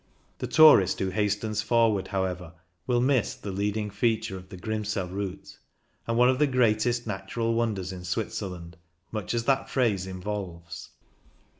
The tourist who hastens forward, however, will miss the leading feature of the Grimsel route, and one of the greatest natural wonders in Switzerland, much as that phrase involves.